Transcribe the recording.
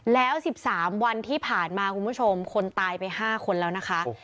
แล้ว๑๓วันที่ผ่านมาคุณผู้ชมคนตายไป๕คนแล้วนะคะ